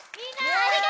ありがとう！